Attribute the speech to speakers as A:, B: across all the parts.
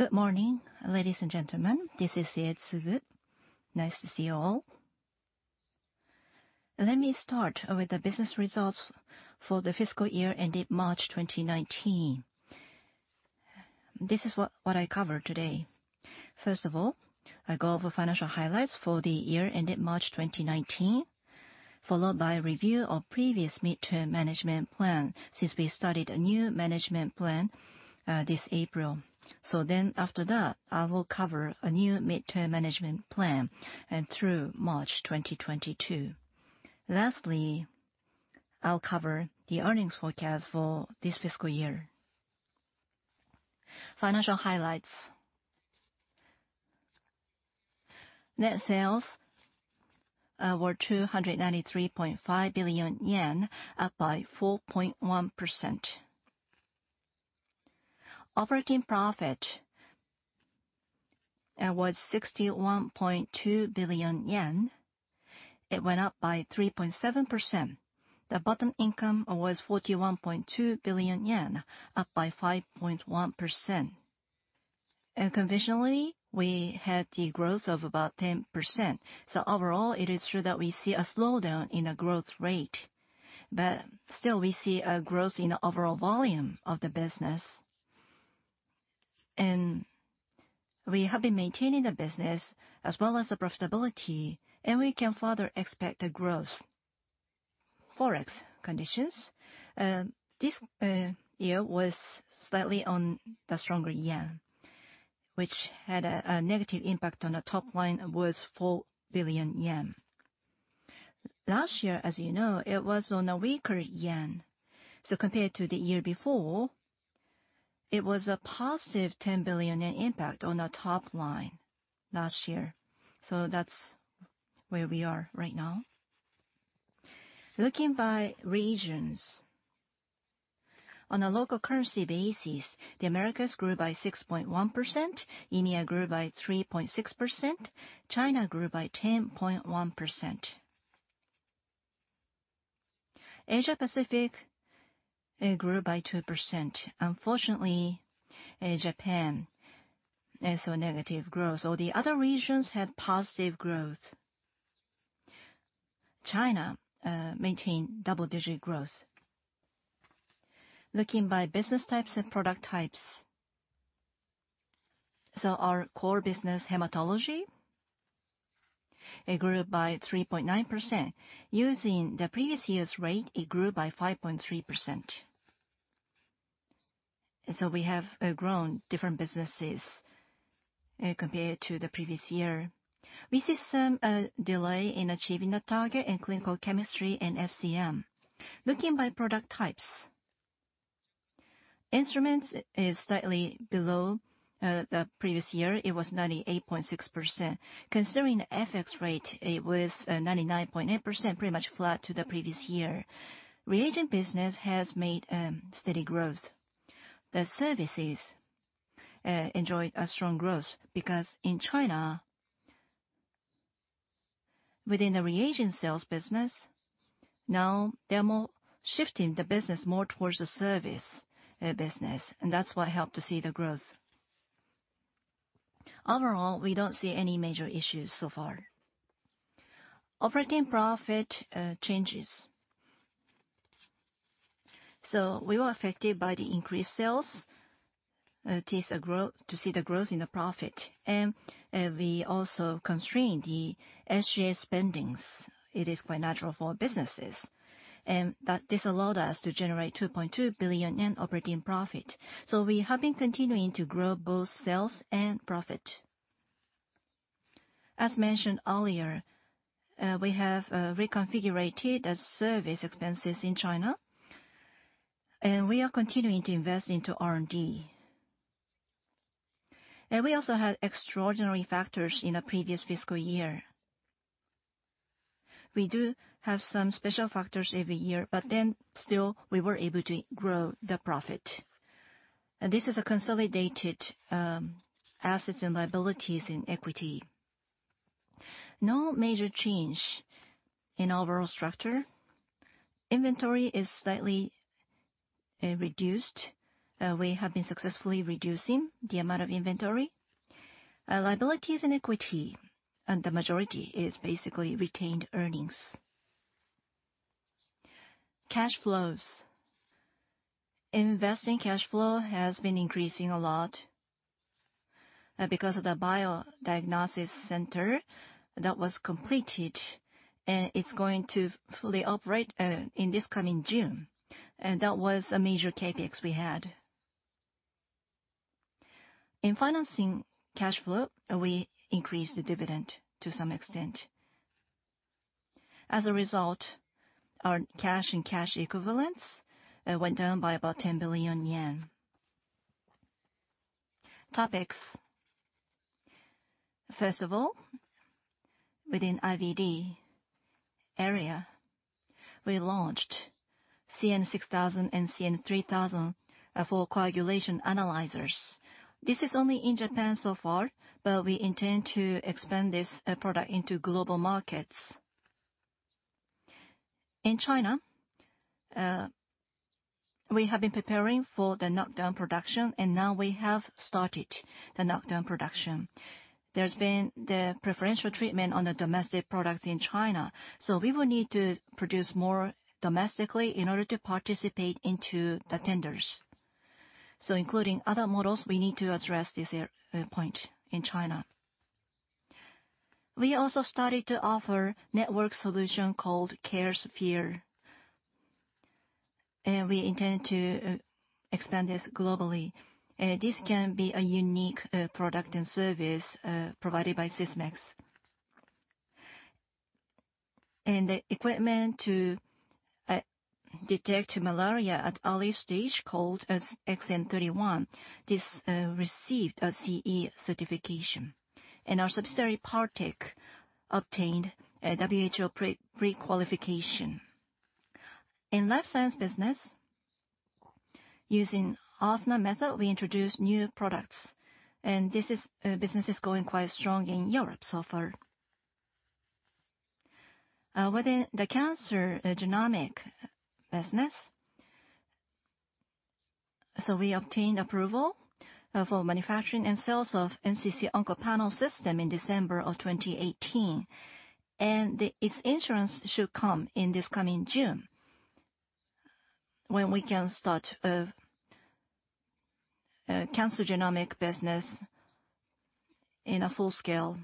A: Good morning, ladies and gentlemen. This is Mie Tsuzu. Nice to see you all. Let me start with the business results for the fiscal year ended March 2019. This is what I cover today. First of all, I go over financial highlights for the year ended March 2019, followed by a review of previous midterm management plan, since we started a new management plan this April. After that, I will cover a new midterm management plan through March 2022. Lastly, I'll cover the earnings forecast for this fiscal year. Financial highlights. Net sales were 293.5 billion yen, up by 4.1%. Operating profit was 61.2 billion yen. It went up by 3.7%. The bottom income was 41.2 billion yen, up by 5.1%. Conventionally, we had the growth of about 10%. Overall, it is true that we see a slowdown in the growth rate, but still we see a growth in the overall volume of the business. We have been maintaining the business as well as the profitability, and we can further expect a growth. Forex conditions. This year was slightly on the stronger yen, which had a negative impact on the top line, was 4 billion yen. Last year, as you know, it was on a weaker yen. Compared to the year before, it was a positive 10 billion impact on the top line last year. That's where we are right now. Looking by regions. On a local currency basis, the Americas grew by 6.1%, EMEA grew by 3.6%, China grew by 10.1%. Asia Pacific grew by 2%. Unfortunately, Japan, negative growth. All the other regions had positive growth. China maintained double-digit growth. Looking by business types and product types. Our core business, hematology, it grew by 3.9%. Using the previous year's rate, it grew by 5.3%. We have grown different businesses compared to the previous year. We see some delay in achieving the target in clinical chemistry and FCM. Looking by product types. Instruments is slightly below the previous year, it was 98.6%. Considering the FX rate, it was 99.8%, pretty much flat to the previous year. Reagent business has made steady growth. The services enjoyed a strong growth because in China, within the reagent sales business, now they're shifting the business more towards the service business, that's what helped to see the growth. Overall, we don't see any major issues so far. Operating profit changes. We were affected by the increased sales to see the growth in the profit. We also constrained the SG&A spendings. It is quite natural for businesses. This allowed us to generate 2.2 billion yen in operating profit. We have been continuing to grow both sales and profit. As mentioned earlier, we have reconfigurated the service expenses in China, we are continuing to invest into R&D. We also had extraordinary factors in the previous fiscal year. We do have some special factors every year, still, we were able to grow the profit. This is a consolidated assets and liabilities in equity. No major change in overall structure. Inventory is slightly reduced. We have been successfully reducing the amount of inventory. Liabilities and equity, the majority is basically retained earnings. Cash flows. Investing cash flow has been increasing a lot because of the Bio-Diagnostic Reagent Center that was completed, it's going to fully operate in this coming June. That was a major CapEx we had. In financing cash flow, we increased the dividend to some extent. As a result, our cash and cash equivalents went down by about 10 billion yen. Topics. First of all, within IVD area, we launched CN-6000 and CN-3000 for coagulation analyzers. This is only in Japan so far, but we intend to expand this product into global markets. In China, we have been preparing for the knock-down production, and now we have started the knock-down production. There's been the preferential treatment on the domestic product in China. We will need to produce more domestically in order to participate into the tenders. Including other models, we need to address this point in China. We also started to offer network solution called Caresphere, and we intend to expand this globally. This can be a unique product and service provided by Sysmex. The equipment to detect malaria at early stage, called XN-31, this received a CE certification, and our subsidiary, Partec, obtained a WHO prequalification. In life science business, using OSNA method, we introduced new products, and this business is going quite strong in Europe so far. Within the cancer genomic business, we obtained approval for manufacturing and sales of NCC Oncopanel system in December of 2018. Its insurance should come in this coming June, when we can start a cancer genomic business in a full scale.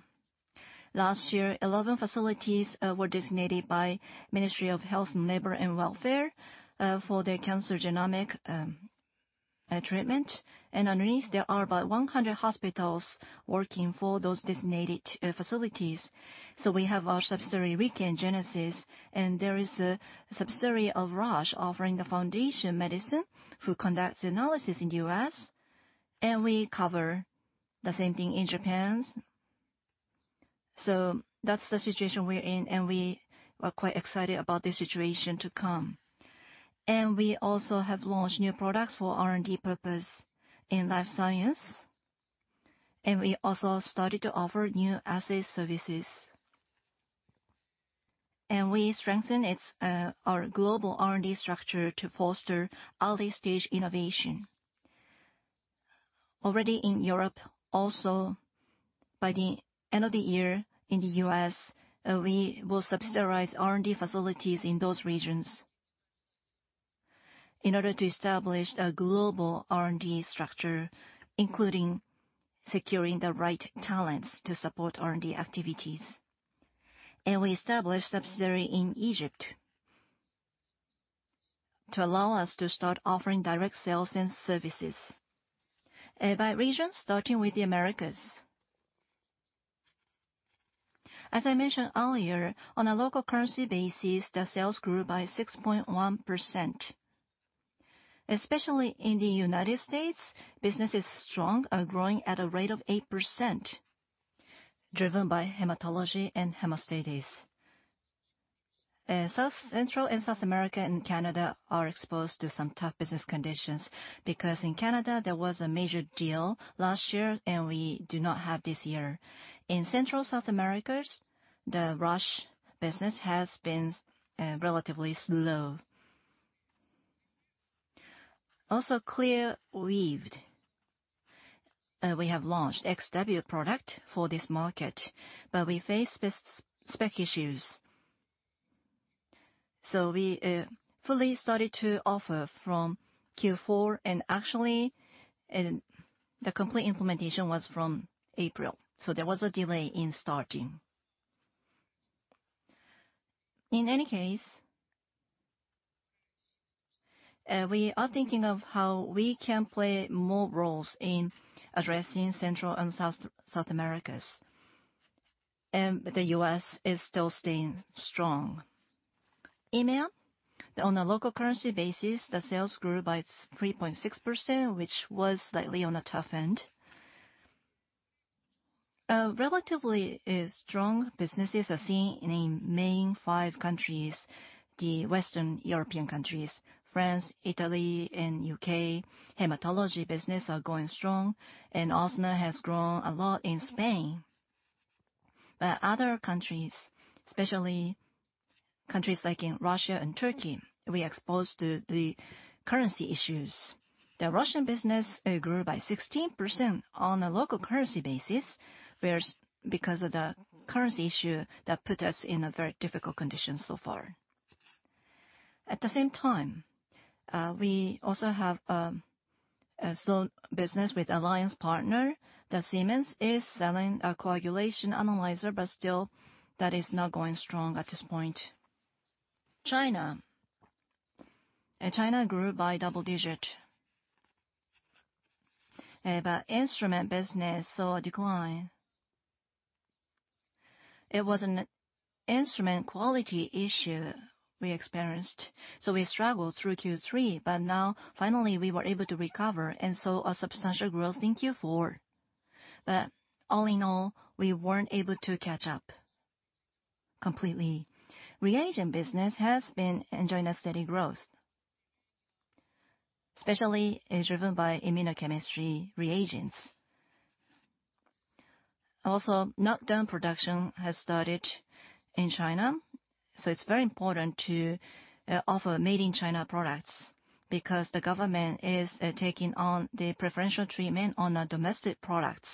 A: Last year, 11 facilities were designated by Ministry of Health, Labour and Welfare for the cancer genomic treatment. Underneath, there are about 100 hospitals working for those designated facilities. We have our subsidiary, RIKEN GENESIS, and there is a subsidiary of Roche offering the Foundation Medicine who conducts analysis in U.S. We cover the same thing in Japan. That's the situation we're in, we are quite excited about the situation to come. We also have launched new products for R&D purpose in life science. We also started to offer new assay services. We strengthen our global R&D structure to foster early-stage innovation. Already in Europe, also by the end of the year in the U.S., we will subsidize R&D facilities in those regions in order to establish a global R&D structure, including securing the right talents to support R&D activities. We established subsidiary in Egypt to allow us to start offering direct sales and services. By region, starting with the Americas. As I mentioned earlier, on a local currency basis, the sales grew by 6.1%. Especially in the United States, business is strong and growing at a rate of 8%, driven by hematology and hemostasis. South, Central and South America and Canada are exposed to some tough business conditions because in Canada, there was a major deal last year, and we do not have this year. In Central South Americas, the Roche business has been relatively slow. ClearView, we have launched XW-100 product for this market, but we face spec issues. We fully started to offer from Q4 and actually, the complete implementation was from April, there was a delay in starting. In any case, we are thinking of how we can play more roles in addressing Central and South Americas. The U.S. is still staying strong. EMEA, on a local currency basis, the sales grew by 3.6%, which was slightly on the tough end. Relatively strong businesses are seen in the main five countries, the Western European countries, France, Italy and U.K. Hematology business is going strong and OSNA has grown a lot in Spain. Other countries, especially countries like in Russia and Turkey, we exposed to the currency issues. The Russian business grew by 16% on a local currency basis, because of the currency issue that put us in a very difficult condition so far. At the same time, we also have a slow business with alliance partner. Siemens is selling a coagulation analyzer, but still that is not going strong at this point. China. China grew by double digits. Instrument business saw a decline. It was an instrument quality issue we experienced. We struggled through Q3, but now finally we were able to recover and saw a substantial growth in Q4. All in all, we weren't able to catch up completely. Reagent business has been enjoying a steady growth, especially driven by immunochemistry reagents. Also, knock-down production has started in China. It's very important to offer made-in-China products because the government is taking on the preferential treatment on the domestic products.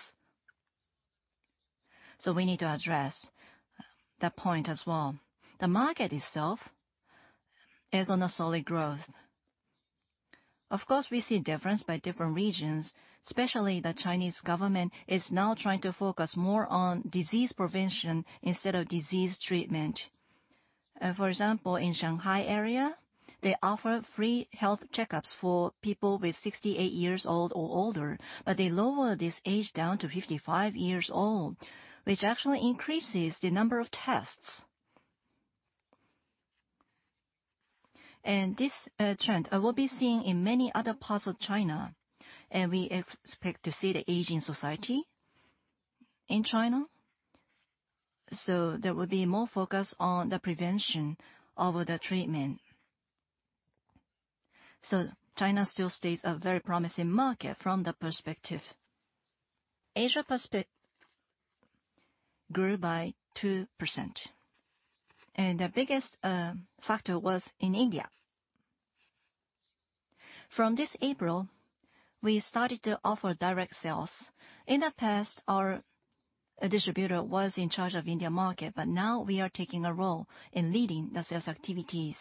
A: We need to address that point as well. The market itself is on a solid growth. Of course, we see difference by different regions, especially the Chinese government is now trying to focus more on disease prevention instead of disease treatment. For example, in Shanghai area, they offer free health checkups for people 68 years old or older, but they lower this age down to 55 years old, which actually increases the number of tests. This trend will be seen in many other parts of China, and we expect to see the aging society in China. There will be more focus on the prevention over the treatment. China still stays a very promising market from that perspective. Asia grew by 2%, and the biggest factor was in India. From this April, we started to offer direct sales. In the past, our distributor was in charge of India market, but now we are taking a role in leading the sales activities.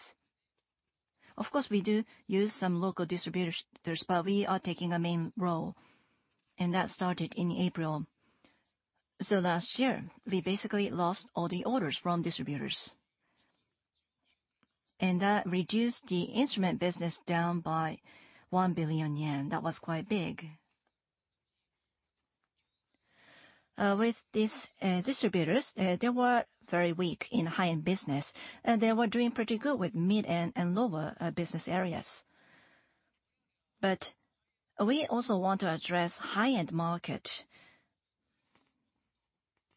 A: Of course, we do use some local distributors, but we are taking a main role, and that started in April. Last year, we basically lost all the orders from distributors, and that reduced the instrument business down by 1 billion yen. That was quite big. With these distributors, they were very weak in high-end business, and they were doing pretty good with mid and lower business areas. We also want to address high-end market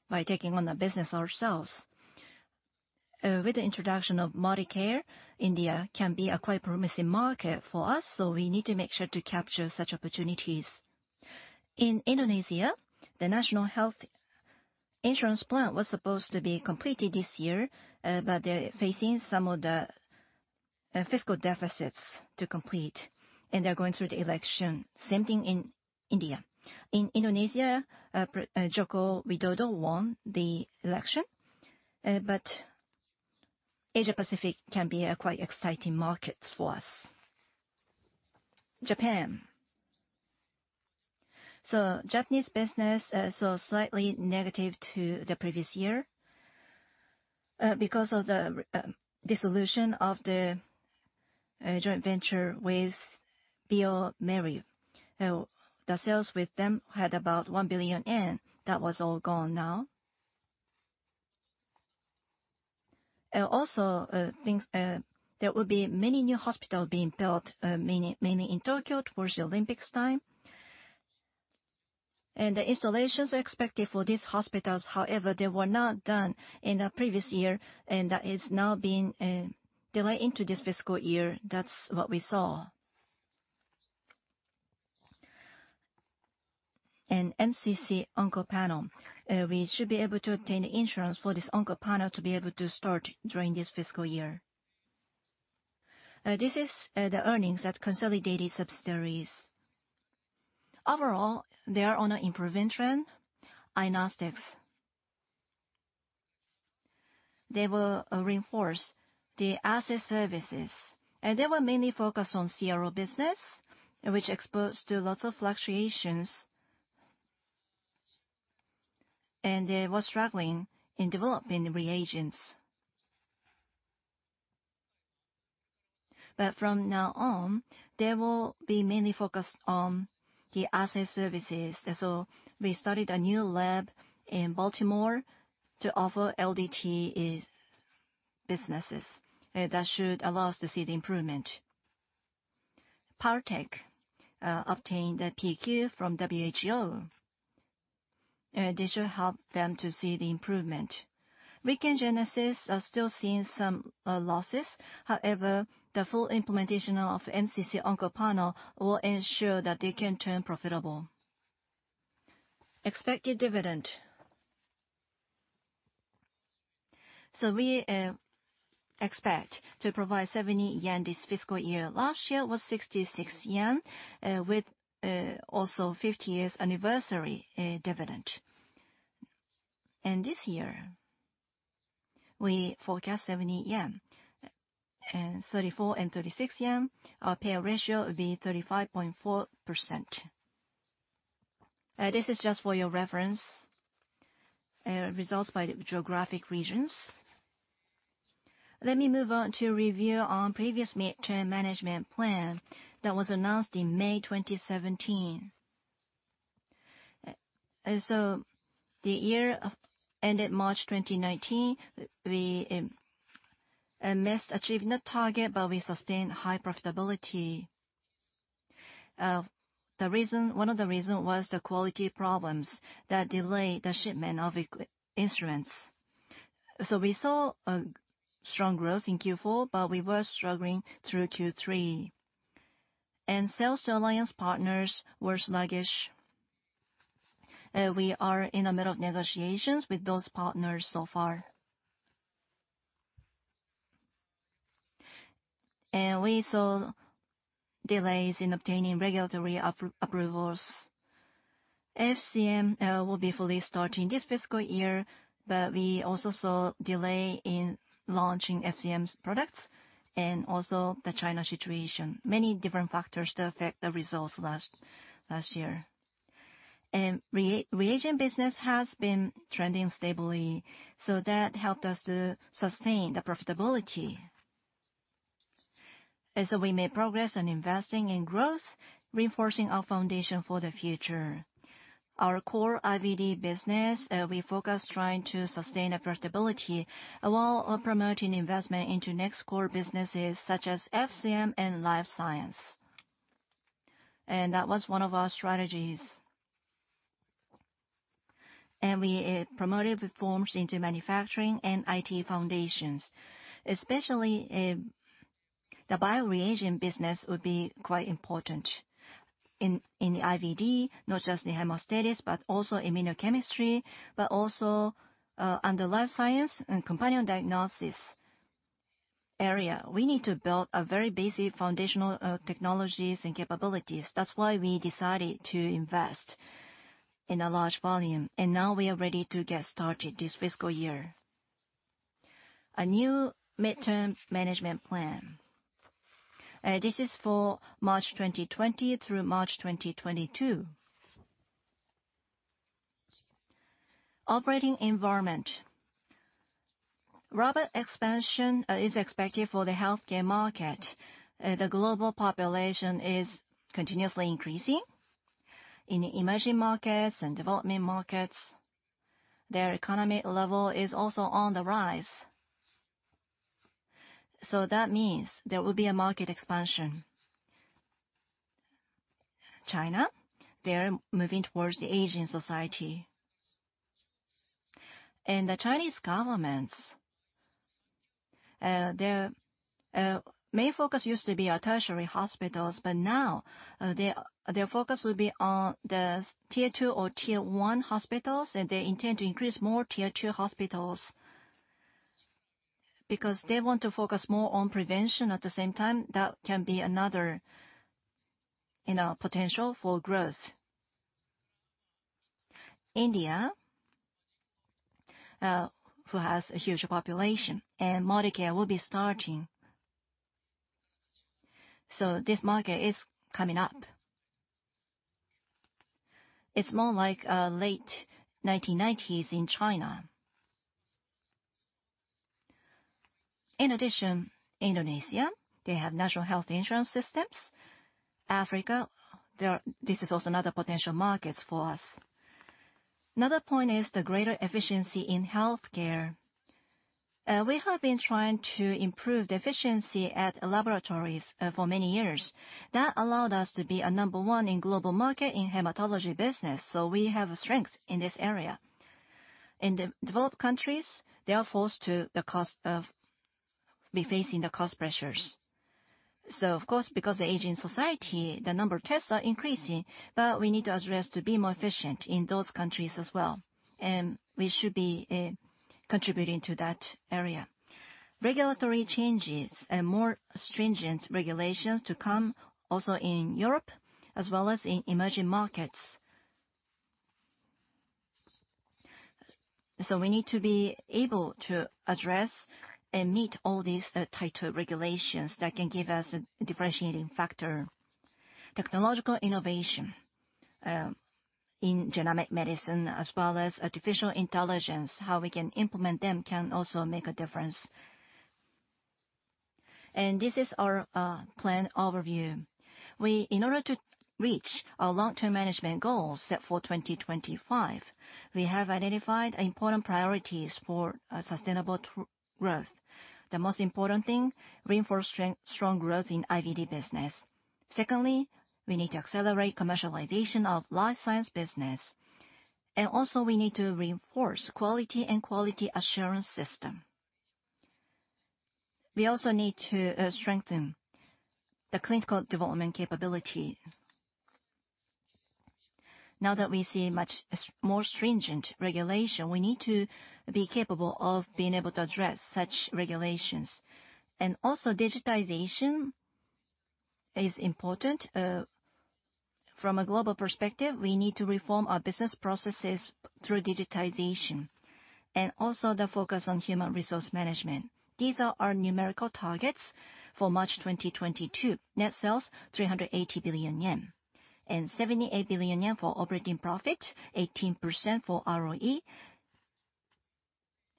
A: by taking on the business ourselves. With the introduction of Modicare, India can be a quite promising market for us, we need to make sure to capture such opportunities. In Indonesia, the national health insurance plan was supposed to be completed this year, but they're facing some of the fiscal deficits to complete, and they're going through the election. Same thing in India. In Indonesia, Joko Widodo won the election. Asia Pacific can be a quite exciting market for us. Japan. Japanese business saw slightly negative to the previous year because of the dissolution of the joint venture with bioMérieux. The sales with them had about 1 billion yen. That was all gone now. Also, there will be many new hospitals being built, mainly in Tokyo towards the Olympics time. The installations are expected for these hospitals. However, they were not done in the previous year, and that is now being delayed into this fiscal year. That's what we saw. NCC OncoPanel, we should be able to obtain the insurance for this OncoPanel to be able to start during this fiscal year. This is the earnings at consolidated subsidiaries. Overall, they are on an improvement trend. Inostics, they will reinforce the asset services, and they will mainly focus on CRO business, which exposed to lots of fluctuations. They were struggling in developing reagents. But from now on, they will be mainly focused on the asset services. So we started a new lab in Baltimore to offer LDT businesses. That should allow us to see the improvement. Partec obtained the PQ from WHO. This should help them to see the improvement. RIKEN GENESIS are still seeing some losses. However, the full implementation of NCC OncoPanel will ensure that they can turn profitable. Expected dividend. We expect to provide 70 yen this fiscal year. Last year was 66 yen with also 50th anniversary dividend. This year, we forecast 70 yen and 34.36 yen. Our payout ratio will be 35.4%. This is just for your reference, results by geographic regions. Let me move on to review on previous mid-term management plan that was announced in May 2017. The year ended March 2019, we missed achieving the target, but we sustained high profitability. One of the reason was the quality problems that delayed the shipment of instruments. We saw a strong growth in Q4, but we were struggling through Q3. Sales to alliance partners were sluggish. We are in the middle of negotiations with those partners so far. We saw delays in obtaining regulatory approvals. FCM will be fully starting this fiscal year, but we also saw delay in launching FCM's products and also the China situation. Many different factors that affect the results last year. Reagent business has been trending stably, so that helped us to sustain a profitability. We made progress on investing in growth, reinforcing our foundation for the future. Our core IVD business, we focus trying to sustain a profitability while promoting investment into next core businesses such as FCM and life science. That was one of our strategies. We promoted reforms into manufacturing and IT foundations, especially the bioreagent business would be quite important in the IVD, not just the hemostasis, but also immunochemistry, but also on the life science and companion diagnostics area. We need to build a very basic foundational technologies and capabilities. That's why we decided to invest in a large volume. Now we are ready to get started this fiscal year. A new midterm management plan. This is for March 2020 through March 2022. Operating environment. Rapid expansion is expected for the healthcare market. The global population is continuously increasing in the emerging markets and development markets. Their economy level is also on the rise. That means there will be a market expansion. China, they're moving towards the aging society. The Chinese governments, their main focus used to be our tertiary hospitals, but now their focus will be on the tier 2 or tier 1 hospitals, and they intend to increase more tier 2 hospitals because they want to focus more on prevention at the same time, that can be another potential for growth. India, who has a huge population, and Modicare will be starting. This market is coming up. It's more like late 1990s in China. In addition, Indonesia, they have national health insurance systems. Africa, this is also another potential markets for us. Another point is the greater efficiency in healthcare. We have been trying to improve the efficiency at laboratories for many years. That allowed us to be a number one in global market in hematology business, so we have a strength in this area. In the developed countries, they are forced to be facing the cost pressures. Of course, because the aging society, the number of tests are increasing, but we need to address to be more efficient in those countries as well. We should be contributing to that area. Regulatory changes and more stringent regulations to come also in Europe as well as in emerging markets. We need to be able to address and meet all these tighter regulations that can give us a differentiating factor. Technological innovation in genomic medicine as well as artificial intelligence, how we can implement them can also make a difference. This is our plan overview. In order to reach our long-term management goals set for 2025, we have identified important priorities for sustainable growth. The most important thing, reinforce strong growth in IVD business. Secondly, we need to accelerate commercialization of life science business. We need to reinforce quality and quality assurance system. We also need to strengthen the clinical development capability. Now that we see much more stringent regulation, we need to be capable of being able to address such regulations. Digitization is important. From a global perspective, we need to reform our business processes through digitization. The focus on human resource management. These are our numerical targets for March 2022. Net sales, 380 billion yen and 78 billion yen for operating profit, 18% for ROE,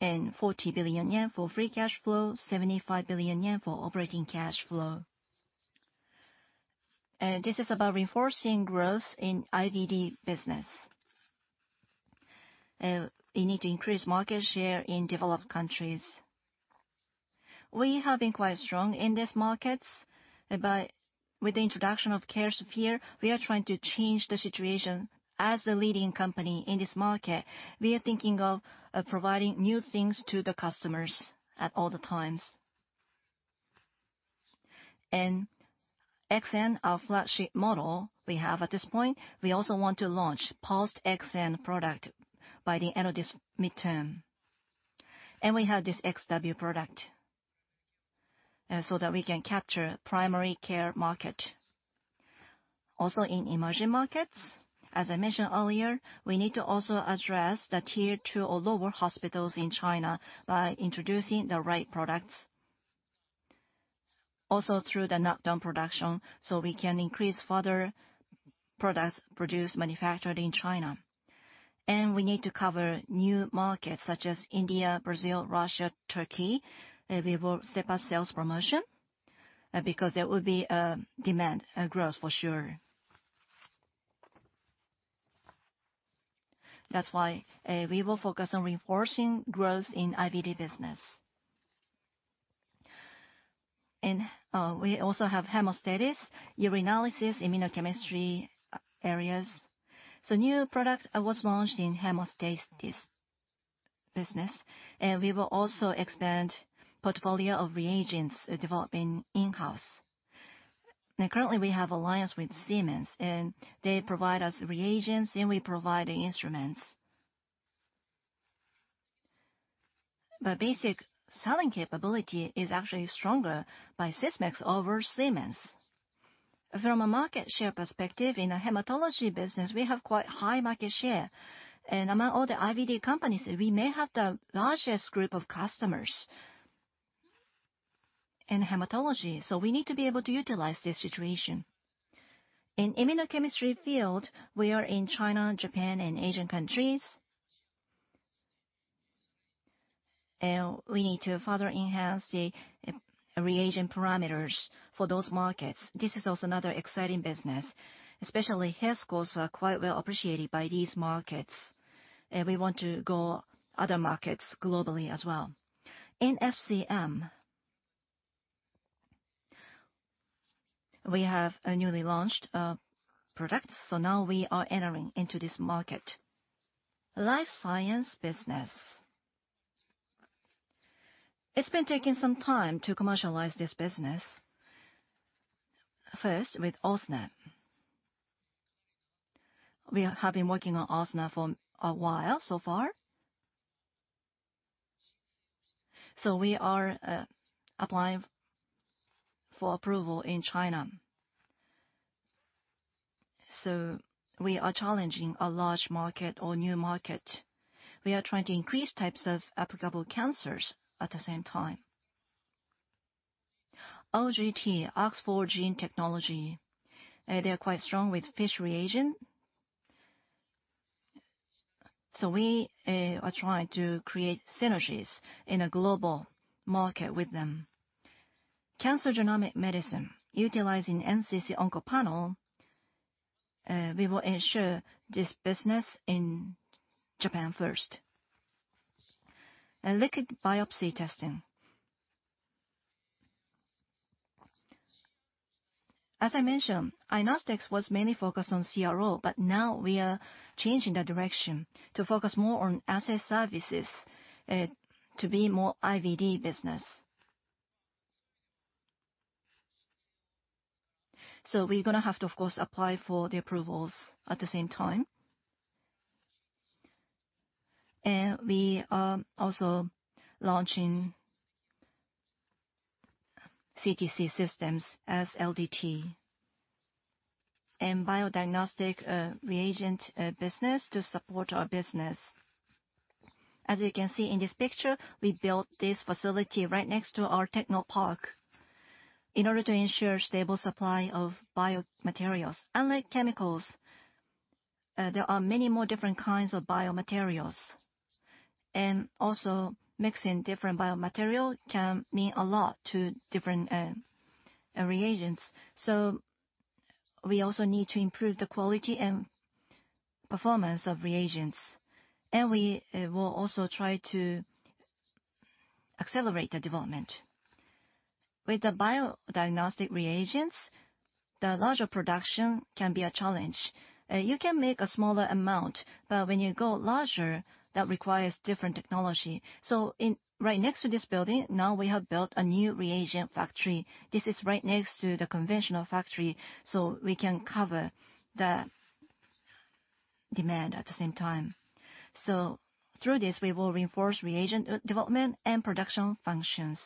A: and 40 billion yen for free cash flow, 75 billion yen for operating cash flow. This is about reinforcing growth in IVD business. We need to increase market share in developed countries. We have been quite strong in these markets, but with the introduction of Caresphere, we are trying to change the situation as the leading company in this market. We are thinking of providing new things to the customers at all the times. XN, our flagship model we have at this point, we also want to launch post XN product by the end of this midterm. We have this XW product, so that we can capture primary care market. Also in emerging markets, as I mentioned earlier, we need to also address the tier 2 or lower hospitals in China by introducing the right products. Also through the knock-down production, so we can increase further products produced, manufactured in China. We need to cover new markets such as India, Brazil, Russia, Turkey. We will step up sales promotion, because there will be demand growth for sure. That's why we will focus on reinforcing growth in IVD business. We also have hemostasis, urinalysis, immunochemistry areas. New product was launched in hemostasis business, and we will also expand portfolio of reagents developed in-house. Currently we have alliance with Siemens. They provide us reagents, and we provide the instruments. Basic selling capability is actually stronger by Sysmex over Siemens. From a market share perspective, in a hematology business, we have quite high market share. Among all the IVD companies, we may have the largest group of customers in hematology, we need to be able to utilize this situation. In immunochemistry field, we are in China and Japan and Asian countries, we need to further enhance the reagent parameters for those markets. This is also another exciting business, especially health scores are quite well appreciated by these markets. We want to go other markets globally as well. In FCM, we have a newly launched product, now we are entering into this market. Life science business. It's been taking some time to commercialize this business. First with OSNA. We have been working on OSNA for a while so far. We are applying for approval in China. We are challenging a large market or new market. We are trying to increase types of applicable cancers at the same time. OGT, Oxford Gene Technology, they are quite strong with FISH reagent. We are trying to create synergies in a global market with them. Cancer genomic medicine utilizing NCC OncoPanel, we will ensure this business in Japan first. Liquid biopsy testing. As I mentioned, Inostics was mainly focused on CRO, now we are changing the direction to focus more on asset services to be more IVD business. We're going to have to, of course, apply for the approvals at the same time. We are also launching CTC systems as LDT. Bio-diagnostic reagent business to support our business. As you can see in this picture, we built this facility right next to our Technopark in order to ensure stable supply of biomaterials. Unlike chemicals, there are many more different kinds of biomaterials, and also mixing different biomaterial can mean a lot to different reagents. We also need to improve the quality and performance of reagents. We will also try to accelerate the development. With the bio-diagnostic reagents, the larger production can be a challenge. You can make a smaller amount, but when you go larger, that requires different technology. Right next to this building, now we have built a new reagent factory. This is right next to the conventional factory, we can cover the demand at the same time. Through this, we will reinforce reagent development and production functions.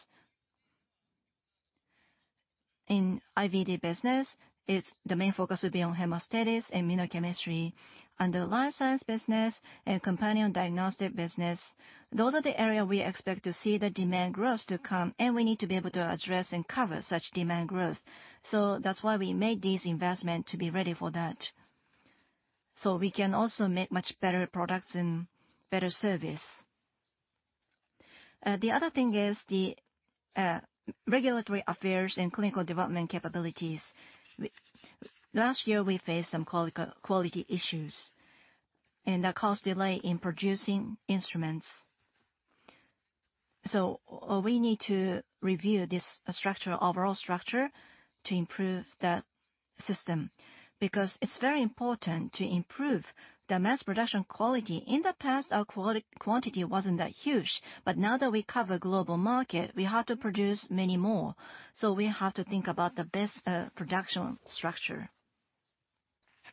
A: In IVD business, the main focus will be on hemostasis, immunochemistry, and the life science business and companion diagnostic business. Those are the area we expect to see the demand growth to come, we need to be able to address and cover such demand growth. That's why we made this investment to be ready for that. We can also make much better products and better service. The other thing is the regulatory affairs and clinical development capabilities. Last year, we faced some quality issues, that caused delay in producing instruments. We need to review this overall structure to improve the system, because it's very important to improve the mass production quality. In the past, our quantity wasn't that huge, now that we cover global market, we have to produce many more. We have to think about the best production structure.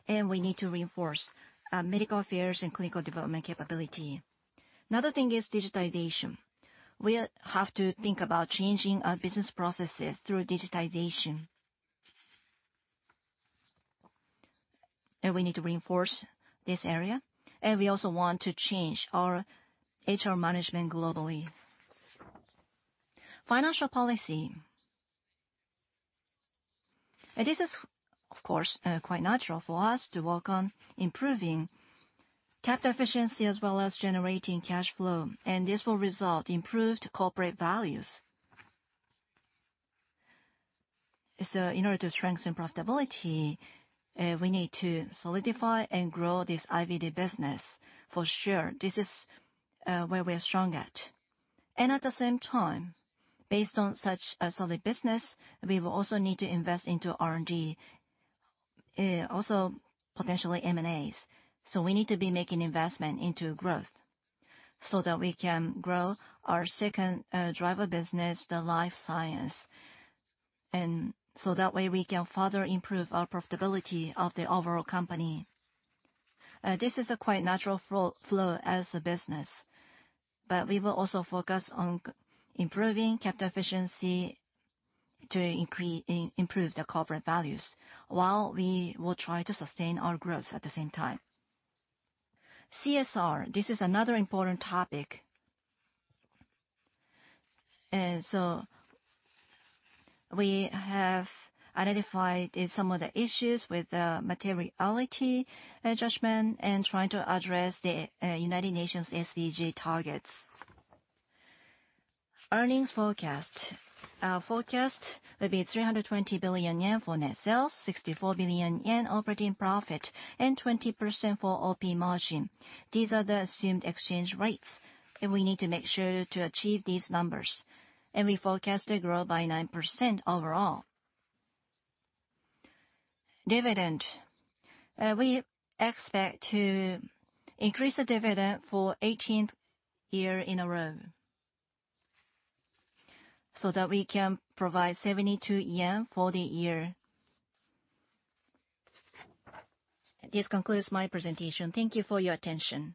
A: We need to reinforce medical affairs and clinical development capability. Another thing is digitization. We have to think about changing our business processes through digitization. We need to reinforce this area, we also want to change our HR management globally. Financial policy. This is, of course, quite natural for us to work on improving capital efficiency as well as generating cash flow, and this will result in improved corporate values. In order to strengthen profitability, we need to solidify and grow this IVD business for sure. This is where we're strong at. At the same time, based on such a solid business, we will also need to invest into R&D, also potentially M&As. We need to be making investment into growth so that we can grow our second driver business, the life science. That way, we can further improve our profitability of the overall company. This is a quite natural flow as a business, we will also focus on improving capital efficiency to improve the corporate values while we will try to sustain our growth at the same time. CSR, this is another important topic. We have identified some of the issues with the materiality judgment and trying to address the United Nations SDG targets. Earnings forecast. Our forecast will be 320 billion yen for net sales, 64 billion yen operating profit, and 20% for OP margin. These are the assumed exchange rates, we need to make sure to achieve these numbers. We forecast to grow by 9% overall. Dividend. We expect to increase the dividend for 18th year in a row so that we can provide 72 yen for the year. This concludes my presentation. Thank you for your attention.